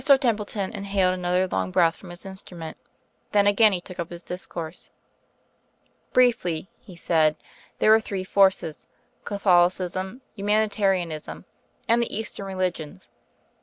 Templeton inhaled another long breath from his instrument. Then again he took up his discourse. "Briefly," he said, "there are three forces Catholicism, Humanitarianism, and the Eastern religions.